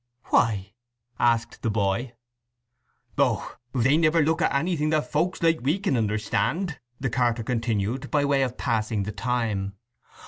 "Why?" asked the boy. "Oh, they never look at anything that folks like we can understand," the carter continued, by way of passing the time.